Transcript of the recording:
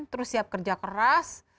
terus siap kerja keras